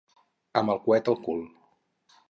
Amb un coet al cul.